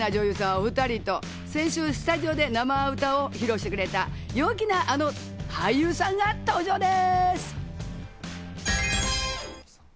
お２人と先週スタジオで生歌を披露してくれた陽気なあの俳優さんが登場です。